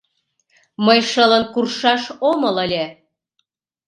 Мый шылын куржшаш омыл ыле.